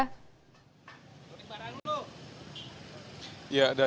ruli barang dulu